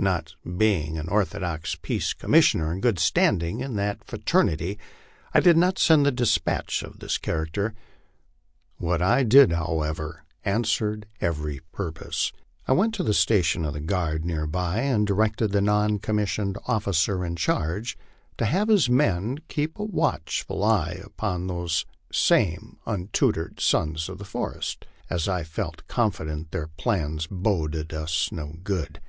Not being an orthodox Peace Commissioner, in good standing in that fra ternity, I did not send a despatch of this character. What I did, however, an swered every purpose. I went to the station of the guard near by and di rected the non commissioned officer in charge to have his men keep a watch LIFE ON THE PLAINS. 201 ful eye upon those same * untutored sons of the forest,'* as I felt confident their plans boded us no good.